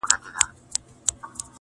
د میخانې وره ته زنځیر د وخت تسبو واچاوه